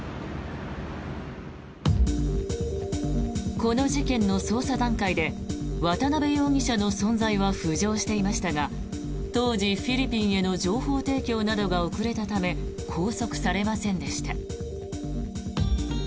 この事件の捜査段階で渡邉容疑者の存在は浮上していましたが当時、フィリピンへの情報提供などが遅れたため拘束されませんでした。